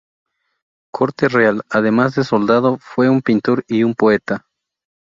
Corte-Real, además de soldado, fue un pintor y un poeta.